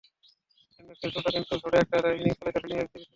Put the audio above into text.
Glenn Maxwell ছোট কিন্তু ঝোড়ো একটা ইনিংস খেলেছে, ফিল্ডিংয়েও ছিল দারুণ।